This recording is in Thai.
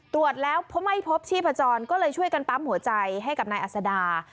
ตรวจแล้วเพราะไม่พบชีพจรก็เลยช่วยกันปั๊มหัวใจให้กับนายอัศดา